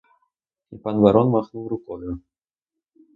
І пан барон махнув рукою.